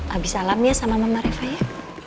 abi salam ya sama mama reva ya